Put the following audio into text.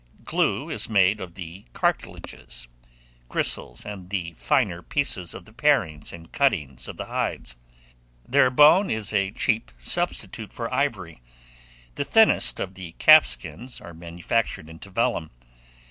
Glue is made of the cartilages, gristles, and the finer pieces of the parings and cuttings of the hides. Their bone is a cheap substitute for ivory. The thinnest of the calf skins are manufactured into vellum.